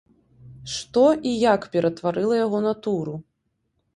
Што і як ператварыла яго натуру?